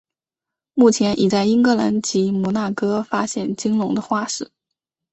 目前已在英格兰及摩纳哥发现鲸龙的化石。